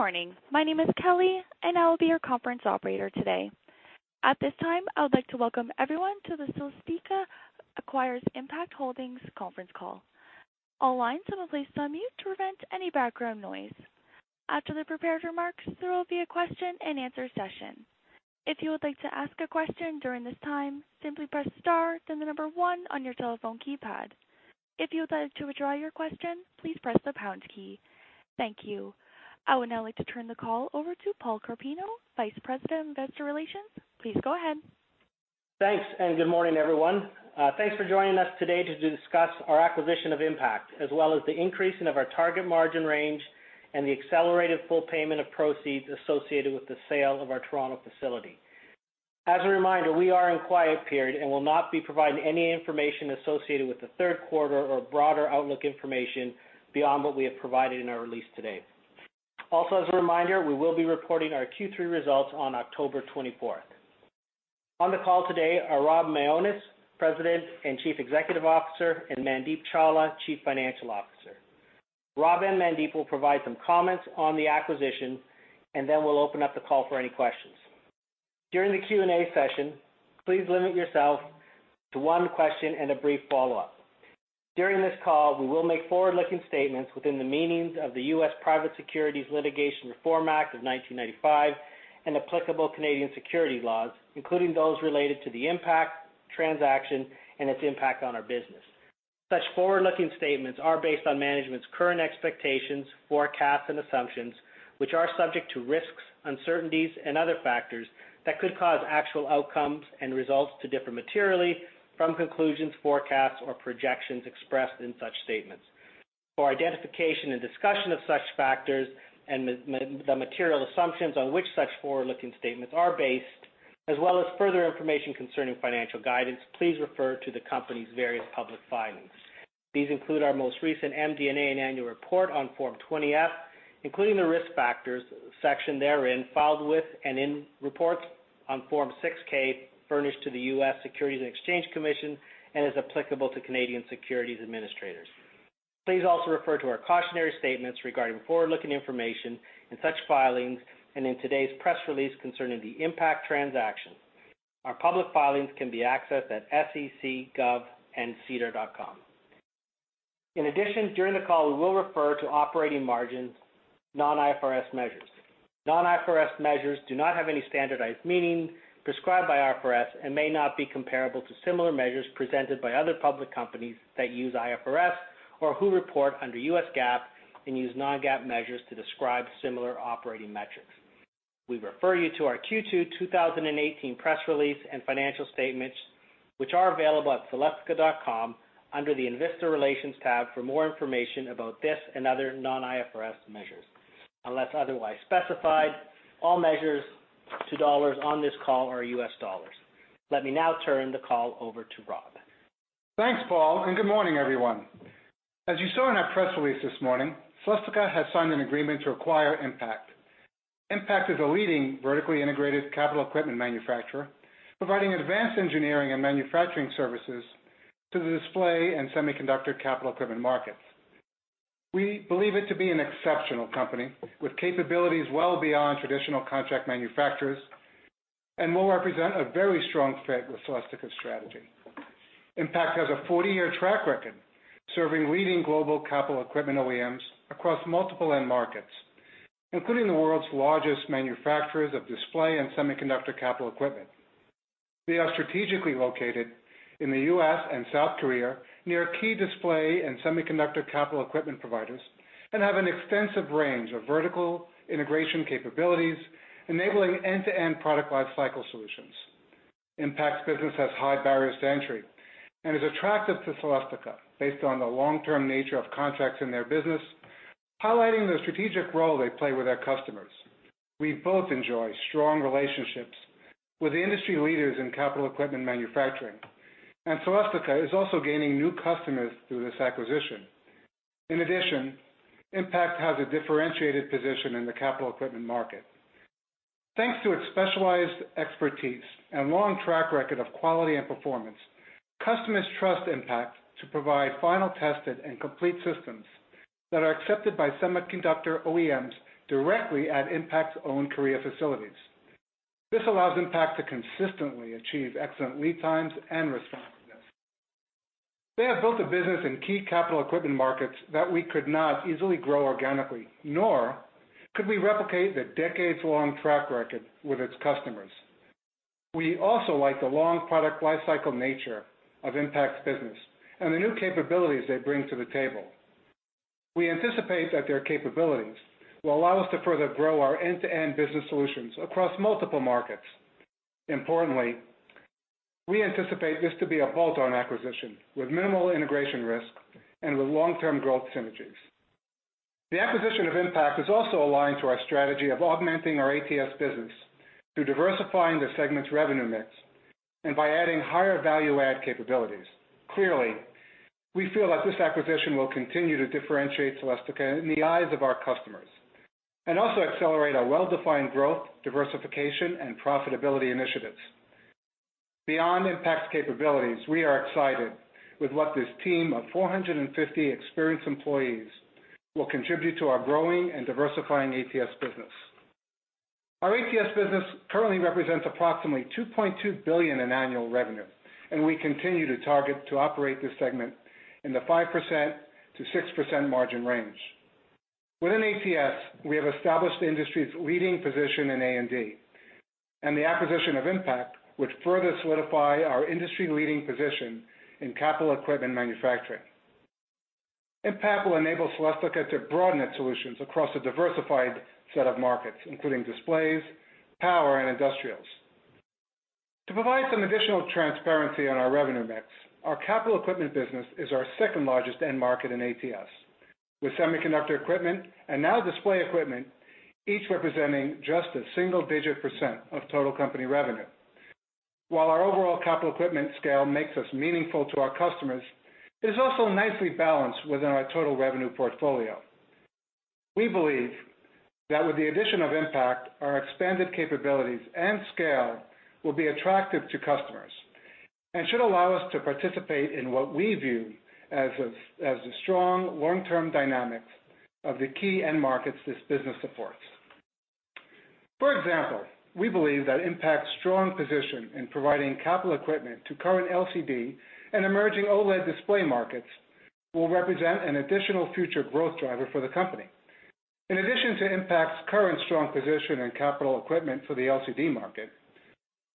Good morning. My name is Kelly. I will be your conference operator today. At this time, I would like to welcome everyone to the Celestica Acquires Impakt Holdings conference call. All lines have been placed on mute to prevent any background noise. After the prepared remarks, there will be a question and answer session. If you would like to ask a question during this time, simply press star then the number one on your telephone keypad. If you would like to withdraw your question, please press the pound key. Thank you. I would now like to turn the call over to Paul Carpino, Vice President of Investor Relations. Please go ahead. Thanks. Good morning, everyone. Thanks for joining us today to discuss our acquisition of Impakt, as well as the increasing of our target margin range and the accelerated full payment of proceeds associated with the sale of our Toronto facility. As a reminder, we are in quiet period. We will not be providing any information associated with the third quarter or broader outlook information beyond what we have provided in our release today. As a reminder, we will be reporting our Q3 results on October 24th. On the call today are Rob Mionis, President and Chief Executive Officer, and Mandeep Chawla, Chief Financial Officer. Rob and Mandeep will provide some comments on the acquisition. We'll open up the call for any questions. During the Q&A session, please limit yourself to one question and a brief follow-up. During this call, we will make forward-looking statements within the meanings of the U.S. Private Securities Litigation Reform Act of 1995 and applicable Canadian security laws, including those related to the Impakt transaction and its impact on our business. Such forward-looking statements are based on management's current expectations, forecasts, and assumptions, which are subject to risks, uncertainties, and other factors that could cause actual outcomes and results to differ materially from conclusions, forecasts, or projections expressed in such statements. For identification and discussion of such factors and the material assumptions on which such forward-looking statements are based, as well as further information concerning financial guidance, please refer to the company's various public filings. These include our most recent MD&A and annual report on Form 20-F, including the risk factors section therein filed with and in reports on Form 6-K furnished to the U.S. Securities and Exchange Commission and as applicable to Canadian securities administrators. Please also refer to our cautionary statements regarding forward-looking information in such filings and in today's press release concerning the Impakt transaction. Our public filings can be accessed at sec.gov and sedar.com. In addition, during the call, we will refer to operating margins non-IFRS measures. Non-IFRS measures do not have any standardized meaning prescribed by IFRS and may not be comparable to similar measures presented by other public companies that use IFRS or who report under U.S. GAAP and use non-GAAP measures to describe similar operating metrics. We refer you to our Q2 2018 press release and financial statements, which are available at celestica.com under the Investor Relations tab for more information about this and other non-IFRS measures. Unless otherwise specified, all measures to dollars on this call are US dollars. Let me now turn the call over to Rob. Thanks, Paul, and good morning, everyone. As you saw in our press release this morning, Celestica has signed an agreement to acquire Impakt. Impakt is a leading vertically integrated capital equipment manufacturer, providing advanced engineering and manufacturing services to the display and semiconductor capital equipment markets. We believe it to be an exceptional company with capabilities well beyond traditional contract manufacturers and will represent a very strong fit with Celestica's strategy. Impakt has a 40-year track record serving leading global capital equipment OEMs across multiple end markets, including the world's largest manufacturers of display and semiconductor capital equipment. They are strategically located in the U.S. and South Korea near key display and semiconductor capital equipment providers and have an extensive range of vertical integration capabilities enabling end-to-end product lifecycle solutions. Impakt's business has high barriers to entry and is attractive to Celestica based on the long-term nature of contracts in their business, highlighting the strategic role they play with their customers. We both enjoy strong relationships with industry leaders in capital equipment manufacturing, and Celestica is also gaining new customers through this acquisition. In addition, Impakt has a differentiated position in the capital equipment market. Thanks to its specialized expertise and long track record of quality and performance, customers trust Impakt to provide final tested and complete systems that are accepted by semiconductor OEMs directly at Impakt's own career facilities. This allows Impakt to consistently achieve excellent lead times and responsiveness. They have built a business in key capital equipment markets that we could not easily grow organically, nor could we replicate the decades-long track record with its customers. We also like the long product lifecycle nature of Impakt's business and the new capabilities they bring to the table. We anticipate that their capabilities will allow us to further grow our end-to-end business solutions across multiple markets. Importantly, we anticipate this to be a bolt-on acquisition with minimal integration risk and with long-term growth synergies. The acquisition of Impakt is also aligned to our strategy of augmenting our ATS business through diversifying the segment's revenue mix and by adding higher value add capabilities. Clearly, we feel that this acquisition will continue to differentiate Celestica in the eyes of our customers and also accelerate our well-defined growth, diversification, and profitability initiatives. Beyond Impakt's capabilities, we are excited with what this team of 450 experienced employees will contribute to our growing and diversifying ATS business. Our ATS business currently represents approximately $2.2 billion in annual revenue, and we continue to target to operate this segment in the 5%-6% margin range. Within ATS, we have established the industry's leading position in A&D, and the acquisition of Impakt would further solidify our industry-leading position in capital equipment manufacturing. Impakt will enable Celestica to broaden its solutions across a diversified set of markets, including displays, power, and industrials. To provide some additional transparency on our revenue mix, our capital equipment business is our second-largest end market in ATS, with semiconductor equipment and now display equipment, each representing just a single-digit % of total company revenue. While our overall capital equipment scale makes us meaningful to our customers, it is also nicely balanced within our total revenue portfolio. We believe that with the addition of Impakt, our expanded capabilities and scale will be attractive to customers and should allow us to participate in what we view as the strong long-term dynamics of the key end markets this business supports. For example, we believe that Impakt's strong position in providing capital equipment to current LCD and emerging OLED display markets will represent an additional future growth driver for the company. In addition to Impakt's current strong position in capital equipment for the LCD market,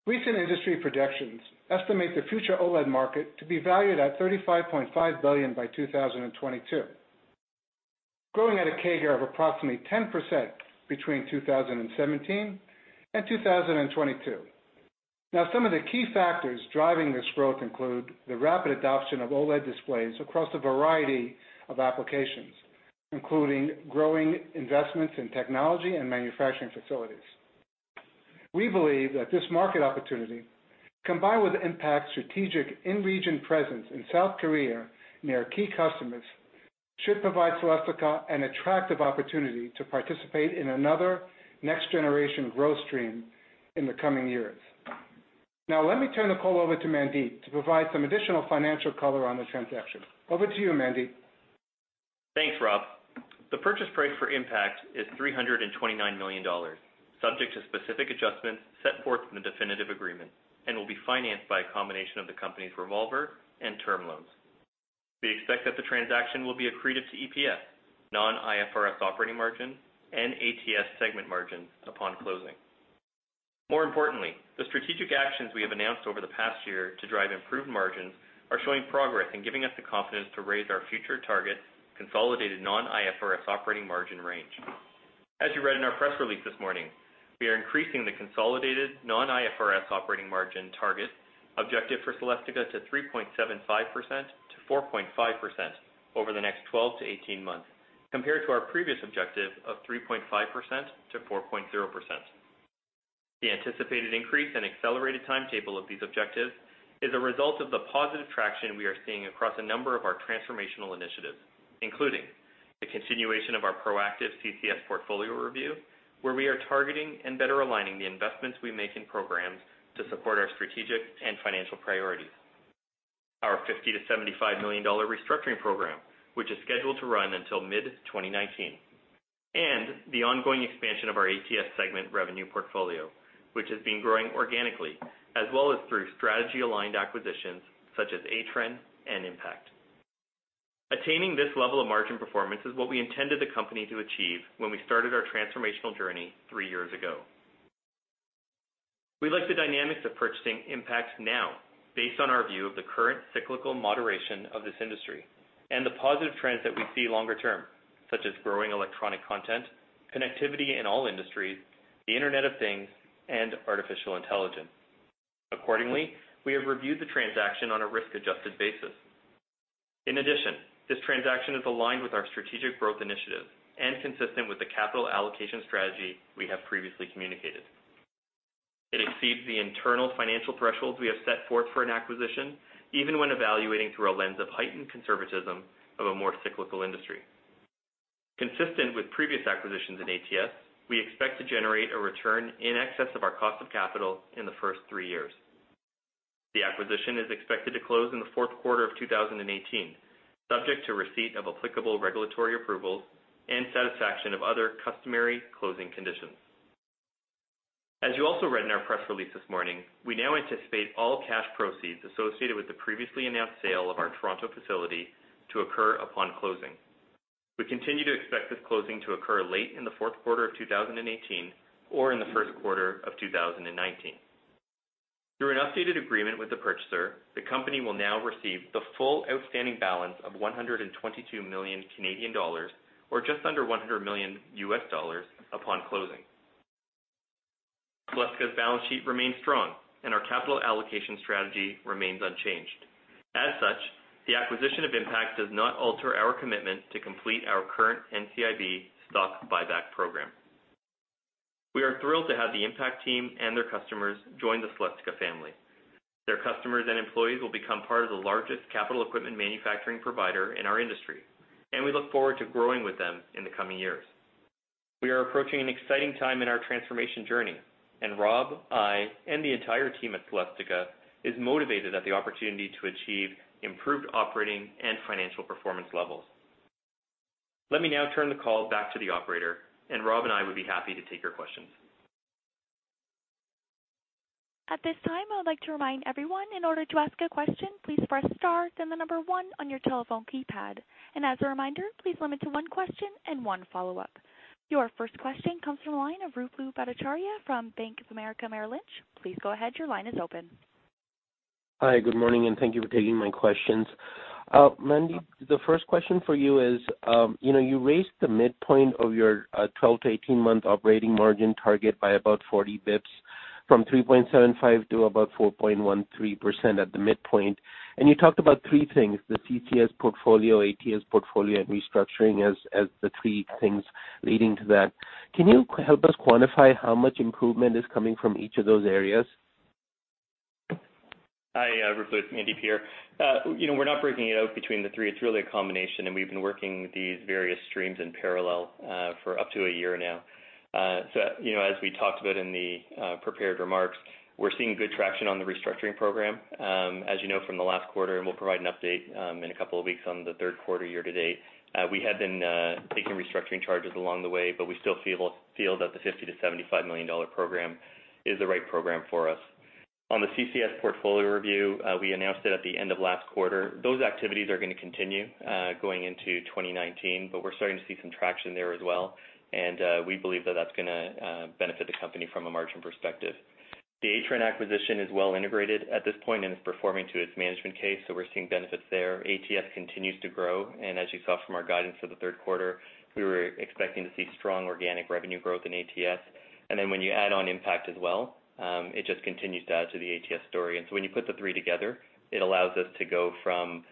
recent industry projections estimate the future OLED market to be valued at $35.5 billion by 2022, growing at a CAGR of approximately 10% between 2017 and 2022. Some of the key factors driving this growth include the rapid adoption of OLED displays across a variety of applications, including growing investments in technology and manufacturing facilities. We believe that this market opportunity, combined with Impakt's strategic in-region presence in South Korea near key customers, should provide Celestica an attractive opportunity to participate in another next-generation growth stream in the coming years. Let me turn the call over to Mandeep to provide some additional financial color on the transaction. Over to you, Mandeep. Thanks, Rob. The purchase price for Impakt is $329 million, subject to specific adjustments set forth in the definitive agreement, and will be financed by a combination of the company's revolver and term loans. We expect that the transaction will be accretive to EPS, non-IFRS operating margin, and ATS segment margin upon closing. More importantly, the strategic actions we have announced over the past year to drive improved margins are showing progress and giving us the confidence to raise our future target consolidated non-IFRS operating margin range. As you read in our press release this morning, we are increasing the consolidated non-IFRS operating margin target objective for Celestica to 3.75%-4.5% over the next 12-18 months, compared to our previous objective of 3.5%-4.0%. The anticipated increase and accelerated timetable of these objectives is a result of the positive traction we are seeing across a number of our transformational initiatives, including the continuation of our proactive CCS portfolio review, where we are targeting and better aligning the investments we make in programs to support our strategic and financial priorities, our 50 million - $75 million restructuring program, which is scheduled to run until mid-2019, and the ongoing expansion of our ATS segment revenue portfolio, which has been growing organically as well as through strategy-aligned acquisitions such as Atrenne and Impakt. Attaining this level of margin performance is what we intended the company to achieve when we started our transformational journey three years ago. We like the dynamics of purchasing Impakt now based on our view of the current cyclical moderation of this industry and the positive trends that we see longer term, such as growing electronic content, connectivity in all industries, the Internet of Things, and artificial intelligence. Accordingly, we have reviewed the transaction on a risk-adjusted basis. In addition, this transaction is aligned with our strategic growth initiatives and consistent with the capital allocation strategy we have previously communicated. It exceeds the internal financial thresholds we have set forth for an acquisition, even when evaluating through a lens of heightened conservatism of a more cyclical industry. Consistent with previous acquisitions in ATS, we expect to generate a return in excess of our cost of capital in the first three years. The acquisition is expected to close in the fourth quarter of 2018, subject to receipt of applicable regulatory approvals and satisfaction of other customary closing conditions. As you also read in our press release this morning, we now anticipate all cash proceeds associated with the previously announced sale of our Toronto facility to occur upon closing. We continue to expect this closing to occur late in the fourth quarter of 2018 or in the first quarter of 2019. Through an updated agreement with the purchaser, the company will now receive the full outstanding balance of 122 million Canadian dollars or just under $100 million upon closing. Celestica's balance sheet remains strong, and our capital allocation strategy remains unchanged. As such, the acquisition of Impakt does not alter our commitment to complete our current NCIB stock buyback program. We are thrilled to have the Impakt team and their customers join the Celestica family. Their customers and employees will become part of the largest capital equipment manufacturing provider in our industry, and we look forward to growing with them in the coming years. We are approaching an exciting time in our transformation journey, and Rob, I, and the entire team at Celestica is motivated at the opportunity to achieve improved operating and financial performance levels. Let me now turn the call back to the operator. Rob and I would be happy to take your questions. At this time, I would like to remind everyone, in order to ask a question, please press star then the number one on your telephone keypad. As a reminder, please limit to one question and one follow-up. Your first question comes from the line of Ruplu Bhattacharya from Bank of America Merrill Lynch. Please go ahead. Your line is open. Hi, good morning, and thank you for taking my questions. Mandy, the first question for you is, you raised the midpoint of your 12 to 18-month operating margin target by about 40 basis points, from 3.75% to about 4.13% at the midpoint. You talked about three things, the CCS portfolio, ATS portfolio, and restructuring as the three things leading to that. Can you help us quantify how much improvement is coming from each of those areas? Hi, Ruplu. It's Mandy here. We're not breaking it out between the three. It's really a combination, and we've been working these various streams in parallel for up to a year now. As we talked about in the prepared remarks, we're seeing good traction on the restructuring program. As you know from the last quarter, and we'll provide an update in a couple of weeks on the third quarter year-to-date, we have been taking restructuring charges along the way, but we still feel that the $50 million-$75 million program is the right program for us. On the CCS portfolio review, we announced it at the end of last quarter. Those activities are going to continue going into 2019, but we're starting to see some traction there as well, and we believe that that's going to benefit the company from a margin perspective. The Atrenne acquisition is well integrated at this point and is performing to its management case, so we're seeing benefits there. ATS continues to grow, and as you saw from our guidance for the third quarter, we were expecting to see strong organic revenue growth in ATS. Then when you add on Impakt as well, it just continues to add to the ATS story. When you put the three together, it allows us to go from,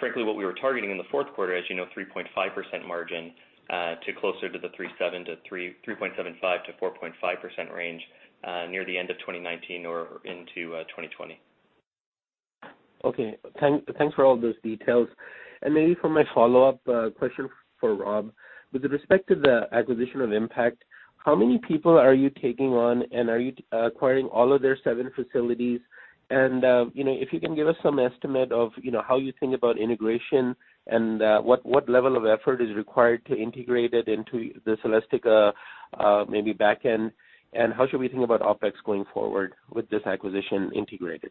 frankly, what we were targeting in the fourth quarter as you know, 3.5% margin, to closer to the 3.75%-4.5% range near the end of 2019 or into 2020. Okay. Thanks for all those details. Maybe for my follow-up question for Rob, with respect to the acquisition of Impakt, how many people are you taking on, and are you acquiring all of their seven facilities? If you can give us some estimate of how you think about integration and what level of effort is required to integrate it into the Celestica maybe back end, and how should we think about OpEx going forward with this acquisition integrated?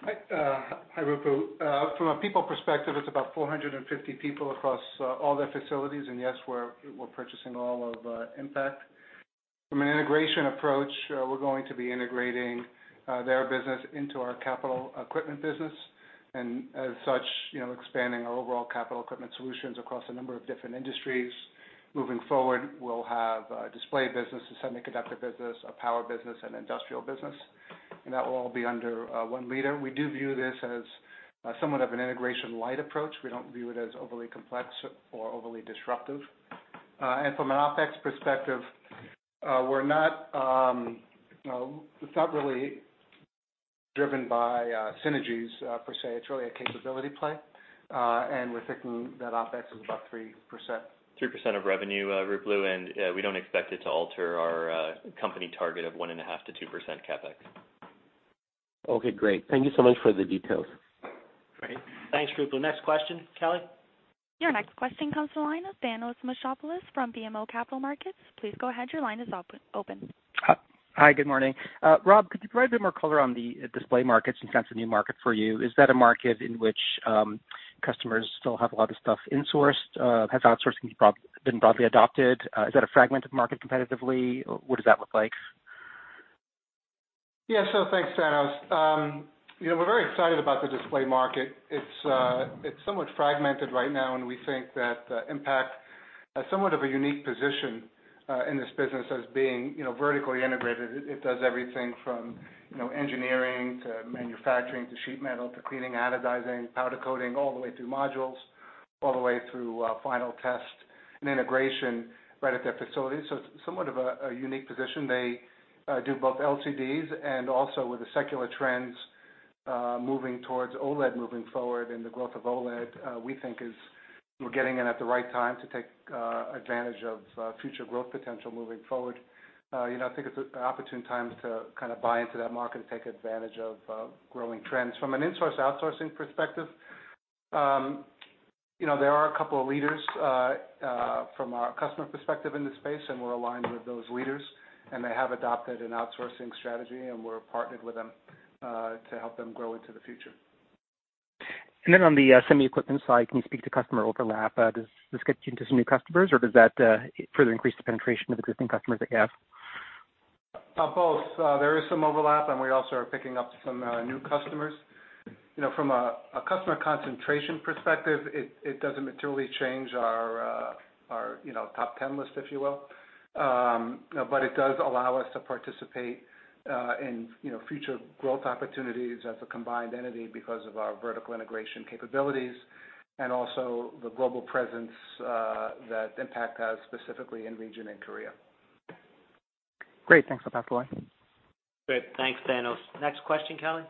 Hi, Ruplu. From a people perspective, it's about 450 people across all their facilities. Yes, we're purchasing all of Impakt. From an integration approach, we're going to be integrating their business into our capital equipment business, and as such, expanding our overall capital equipment solutions across a number of different industries. Moving forward, we'll have a display business, a semiconductor business, a power business, and industrial business, and that will all be under one leader. We do view this as somewhat of an integration light approach. We don't view it as overly complex or overly disruptive. From an OpEx perspective, it's not really driven by synergies per se. It's really a capability play. We're thinking that OpEx is about 3%. 3% of revenue, Ruplu. We don't expect it to alter our company target of 1.5%-2% CapEx. Okay, great. Thank you so much for the details. Great. Thanks, Ruplu. Next question, Kelly? Your next question comes to the line of Thanos Moschopoulos from BMO Capital Markets. Please go ahead. Your line is open. Hi. Good morning. Rob, could you provide a bit more color on the display markets in terms of new market for you? Is that a market in which customers still have a lot of stuff insourced? Has outsourcing been broadly adopted? Is that a fragmented market competitively? What does that look like? Yeah. Thanks, Thanos. We're very excited about the display market. It's somewhat fragmented right now, and we think that Impakt has somewhat of a unique position in this business as being vertically integrated. It does everything from engineering to manufacturing to sheet metal to cleaning, anodizing, powder coating, all the way through modules, all the way through final test and integration right at their facilities. It's somewhat of a unique position. They do both LCDs and also with the secular trends moving towards OLED moving forward and the growth of OLED, we think we're getting in at the right time to take advantage of future growth potential moving forward. I think it's an opportune time to kind of buy into that market and take advantage of growing trends. From an insource/outsourcing perspective, there are a couple of leaders from our customer perspective in this space. We're aligned with those leaders. They have adopted an outsourcing strategy. We're partnered with them to help them grow into the future. Then on the semi equipment side, can you speak to customer overlap? Does this get you into some new customers, or does that further increase the penetration of existing customers that you have? Both. There is some overlap. We also are picking up some new customers. From a customer concentration perspective, it doesn't materially change our top 10 list, if you will. It does allow us to participate in future growth opportunities as a combined entity because of our vertical integration capabilities and also the global presence that Impakt has specifically in region in Korea. Great. Thanks. Great. Thanks, Thanos. Next question, Kelly.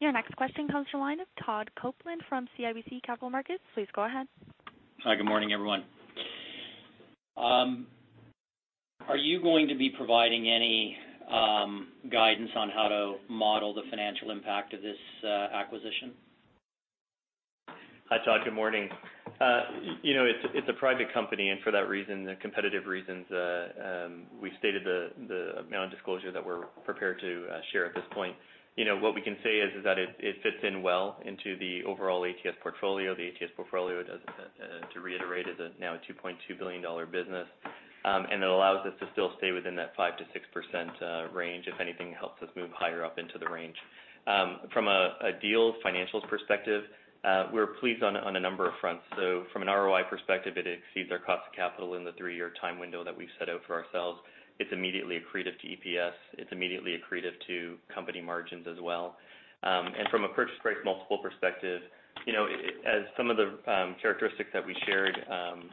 Your next question comes from the line of Todd Coupland from CIBC Capital Markets. Please go ahead. Hi, good morning, everyone. Are you going to be providing any guidance on how to model the financial impact of this acquisition? Hi, Todd. Good morning. It's a private company, and for that reason, competitive reasons, we've stated the amount of disclosure that we're prepared to share at this point. What we can say is that it fits in well into the overall ATS portfolio. The ATS portfolio, to reiterate, is now a $2.2 billion business. It allows us to still stay within that 5%-6% range. If anything, it helps us move higher up into the range. From a deal financials perspective, we're pleased on a number of fronts. From an ROI perspective, it exceeds our cost of capital in the three-year time window that we've set out for ourselves. It's immediately accretive to EPS. It's immediately accretive to company margins as well. From a purchase price multiple perspective, as some of the characteristics that we shared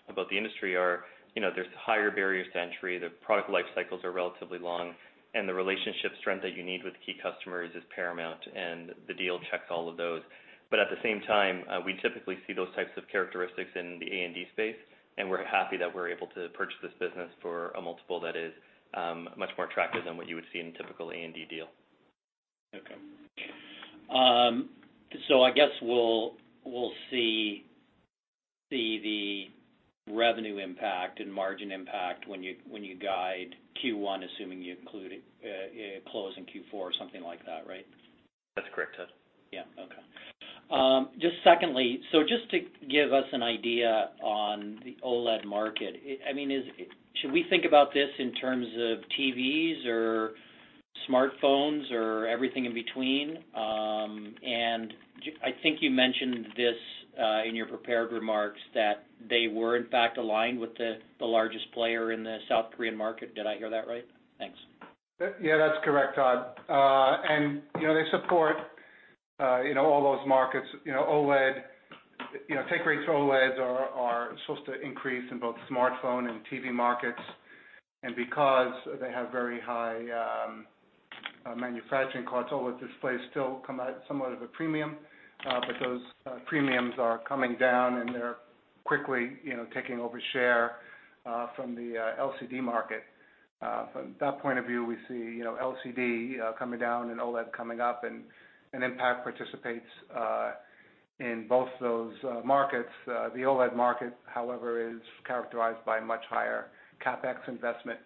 about the industry are, there's higher barriers to entry, the product life cycles are relatively long, and the relationship strength that you need with key customers is paramount, and the deal checks all of those. At the same time, we typically see those types of characteristics in the A&D space, and we're happy that we're able to purchase this business for a multiple that is much more attractive than what you would see in a typical A&D deal. Okay. I guess we'll see the revenue impact and margin impact when you guide Q1, assuming you include it closing Q4 or something like that, right? That's correct, Todd. Yeah. Okay. Just secondly, just to give us an idea on the OLED market, should we think about this in terms of TVs or smartphones or everything in between? I think you mentioned this in your prepared remarks that they were in fact aligned with the largest player in the South Korean market. Did I hear that right? Thanks. Yeah, that's correct, Todd. They support all those markets. Take rates for OLEDs are supposed to increase in both smartphone and TV markets. Because they have very high manufacturing costs, OLED displays still come at somewhat of a premium, but those premiums are coming down, and they're quickly taking over share from the LCD market. From that point of view, we see LCD coming down and OLED coming up, and Impakt participates in both of those markets. The OLED market, however, is characterized by much higher CapEx investment,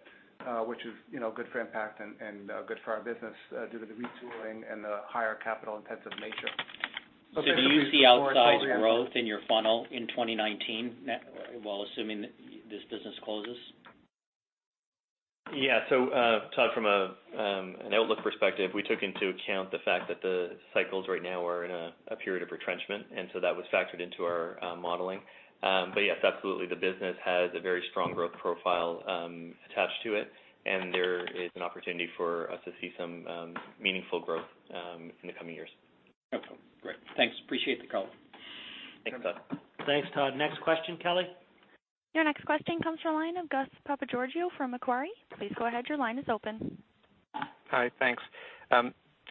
which is good for Impakt and good for our business due to the retooling and the higher capital-intensive nature. Do you see outside growth in your funnel in 2019 while assuming this business closes? Yeah. Todd, from an outlook perspective, we took into account the fact that the cycles right now are in a period of retrenchment, that was factored into our modeling. Yes, absolutely, the business has a very strong growth profile attached to it, and there is an opportunity for us to see some meaningful growth in the coming years. Okay, great. Thanks. Appreciate the call. Thanks, Todd. Thanks, Todd. Thanks, Todd. Next question, Kelly. Your next question comes from the line of Gus Papageorgiou from Macquarie. Please go ahead, your line is open. Hi, thanks.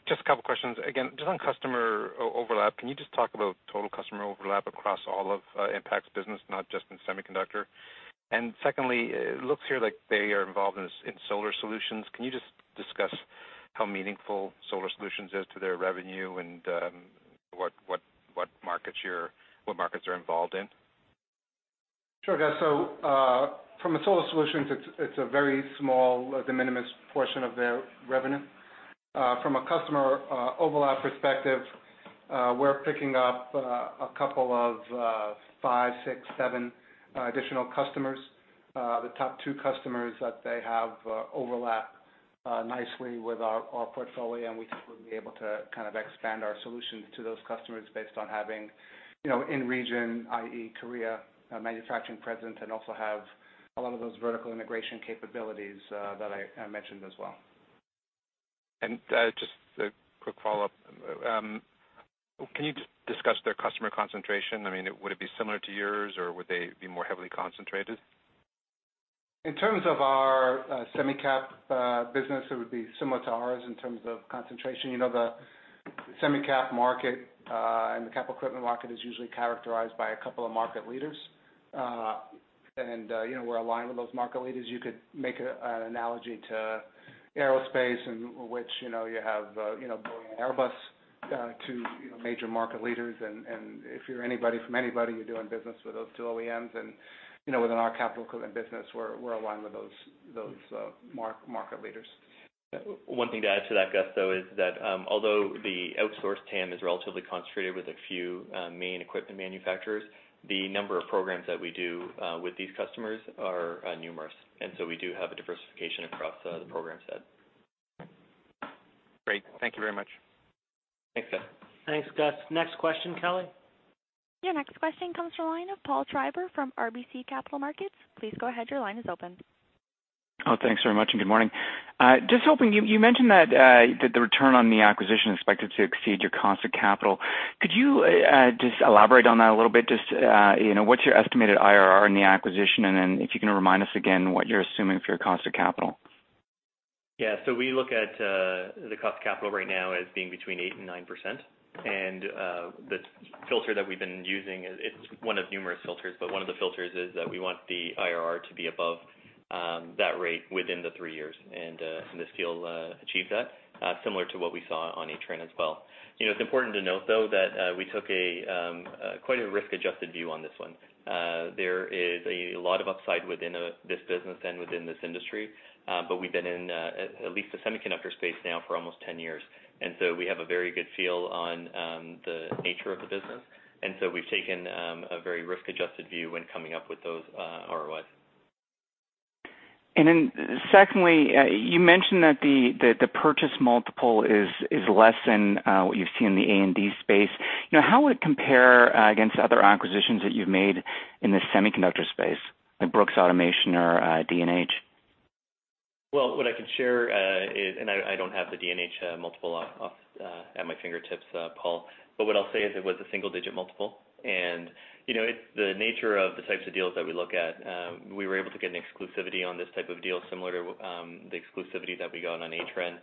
Just a couple of questions. Again, just on customer overlap, can you just talk about total customer overlap across all of Impakt's business, not just in semiconductor? Secondly, it looks here like they are involved in solar solutions. Can you just discuss how meaningful solar solutions is to their revenue and what markets they're involved in? Sure, Gus. From a solar solutions, it's a very small, de minimis portion of their revenue. From a customer overlap perspective, we're picking up a couple of 5, 6, 7 additional customers. The top 2 customers that they have overlap nicely with our portfolio. We think we'll be able to kind of expand our solutions to those customers based on having in region, i.e., Korea, manufacturing presence. Also have a lot of those vertical integration capabilities that I mentioned as well. Just a quick follow-up. Can you just discuss their customer concentration? Would it be similar to yours, or would they be more heavily concentrated? In terms of our semi cap business, it would be similar to ours in terms of concentration. The semi cap market and the capital equipment market is usually characterized by a couple of market leaders. We're aligned with those market leaders. You could make an analogy to aerospace in which you have Boeing and Airbus, 2 major market leaders, and if you're anybody from anybody, you're doing business with those 2 OEMs. Within our capital equipment business, we're aligned with those market leaders. One thing to add to that, Gus, though, is that although the outsourced TAM is relatively concentrated with a few main equipment manufacturers, the number of programs that we do with these customers are numerous. So we do have a diversification across the program set. Great. Thank you very much. Thanks, Gus. Thanks, Gus. Next question, Kelly. Your next question comes from the line of Paul Treiber from RBC Capital Markets. Please go ahead, your line is open. Oh, thanks very much, and good morning. You mentioned that the return on the acquisition is expected to exceed your cost of capital. Could you just elaborate on that a little bit? Just what's your estimated IRR in the acquisition, and then if you can remind us again what you're assuming for your cost of capital? Yeah. We look at the cost of capital right now as being between eight and nine percent. The filter that we've been using, it's one of numerous filters, but one of the filters is that we want the IRR to be above that rate within the three years. This deal achieved that, similar to what we saw on Atrenne as well. It's important to note, though, that we took quite a risk-adjusted view on this one. There is a lot of upside within this business and within this industry. We've been in at least the semiconductor space now for almost 10 years, we have a very good feel on the nature of the business. We've taken a very risk-adjusted view when coming up with those ROIs. Secondly, you mentioned that the purchase multiple is less than what you've seen in the A&D space. How would it compare against other acquisitions that you've made in the semiconductor space, like Brooks Automation or D&H? What I can share is, I don't have the D&H multiple at my fingertips, Paul, but what I'll say is it was a single-digit multiple. It's the nature of the types of deals that we look at. We were able to get an exclusivity on this type of deal, similar to the exclusivity that we got on Atrenne.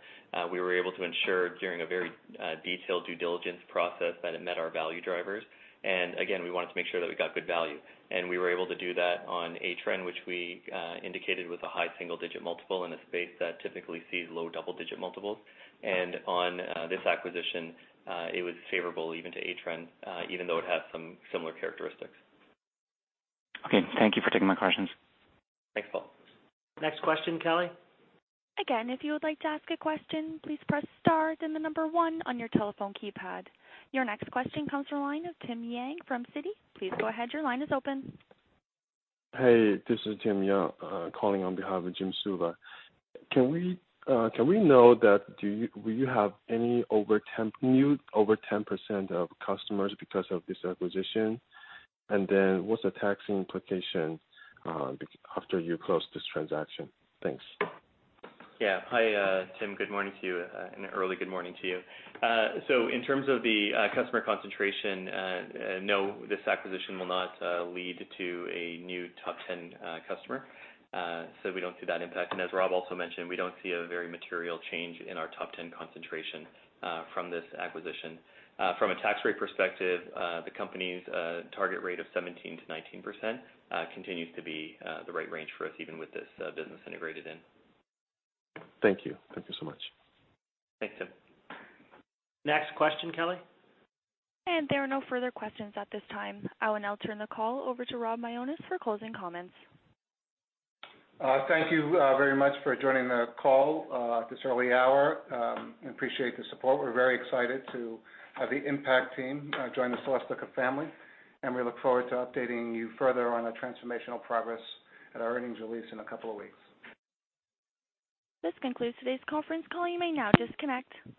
We were able to ensure during a very detailed due diligence process that it met our value drivers. Again, we wanted to make sure that we got good value. We were able to do that on Atrenne, which we indicated was a high single-digit multiple in a space that typically sees low double-digit multiples. On this acquisition, it was favorable even to Atrenne, even though it has some similar characteristics. Thank you for taking my questions. Thanks, Paul. Next question, Kelly. If you would like to ask a question, please press star, then the number 1 on your telephone keypad. Your next question comes from the line of Tim Yang from Citi. Please go ahead. Your line is open. Hey, this is Tim Yang, calling on behalf of Jim Suva. Can we know that will you have any new over 10% of customers because of this acquisition? What's the tax implication after you close this transaction? Thanks. Yeah. Hi, Tim. Good morning to you, an early good morning to you. In terms of the customer concentration, no, this acquisition will not lead to a new top 10 customer. We don't see that impact. As Rob also mentioned, we don't see a very material change in our top 10 concentration from this acquisition. From a tax rate perspective, the company's target rate of 17%-19% continues to be the right range for us, even with this business integrated in. Thank you. Thank you so much. Thanks, Tim. Next question, Kelly. There are no further questions at this time. I will now turn the call over to Rob Mionis for closing comments. Thank you very much for joining the call at this early hour. Appreciate the support. We're very excited to have the Impakt team join the Celestica family, and we look forward to updating you further on the transformational progress at our earnings release in a couple of weeks. This concludes today's conference call. You may now disconnect.